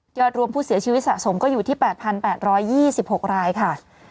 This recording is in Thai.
อดรวมผู้เสียชีวิตสะสมก็อยู่ที่๘๘๒๖รายค่ะ